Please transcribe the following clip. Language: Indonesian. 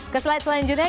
ke slide selanjutnya